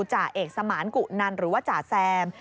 จ่าเอกสมานกุนันหรือว่าจ่าแซม